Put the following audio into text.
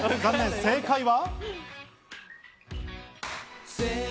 正解は。